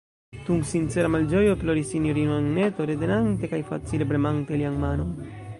Kun sincera malĝojo ploris sinjorino Anneto, retenante kaj facile premante lian manon.